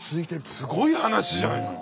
すごい話じゃないですか。